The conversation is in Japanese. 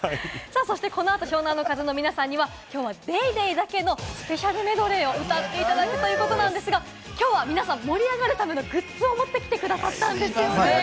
この後、湘南乃風の皆さんには、きょうは『ＤａｙＤａｙ．』だけのスペシャルメドレーを歌っていただくということなんですが、きょうは皆さん、盛り上がるためのグッズを持ってきてくださったんですよね？